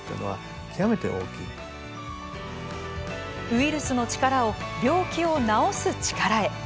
ウイルスの力を病気を治す力へ。